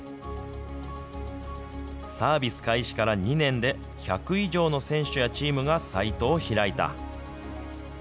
サービス開始から２年で、１００以上の選手やチームがサイトを開いた。